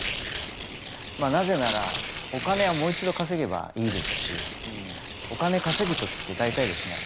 なぜならお金はもう一度かせげばいいですしお金かせぐ時って大体ですね